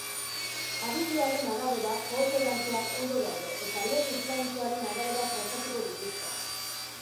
Agiriaren arabera, kooperanteak ondo daude eta lege islamikoaren arabera tratatuko dituzte.